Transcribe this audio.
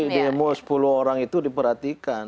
di mu sepuluh orang itu diperhatikan